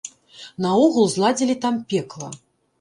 Наогул зладзілі там пекла.